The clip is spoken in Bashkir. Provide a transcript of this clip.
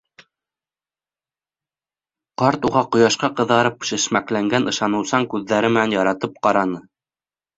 Ҡарт уға ҡояшҡа ҡыҙарып шешмәкләнгән ышаныусан күҙҙәре менән яратып ҡараны.